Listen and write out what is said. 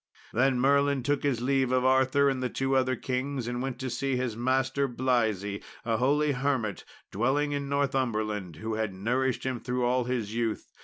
Then Merlin took his leave of Arthur and the two other kings, and went to see his master, Blaise, a holy hermit, dwelling in Northumberland, who had nourished him through all his youth.